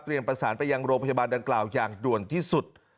ประสานไปยังโรงพยาบาลดังกล่าวอย่างด่วนที่สุด